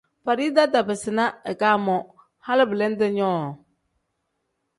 Farida tabiizi na ika moo hali belente nyoo.